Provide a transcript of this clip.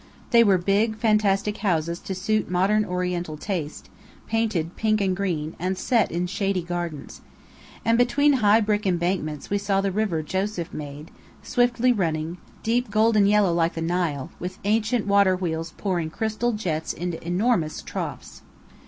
They were big, fantastic houses to suit modern Oriental taste, painted pink and green, and set in shady gardens. And between high brick embankments we saw the river Joseph made swiftly running, deep golden yellow like the Nile, with ancient water wheels pouring crystal jets into enormous troughs.